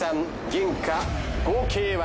原価合計は。